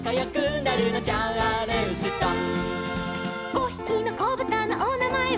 「５ひきのこぶたのおなまえは」